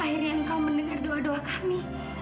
akhirnya engkau mendengar doa doa kami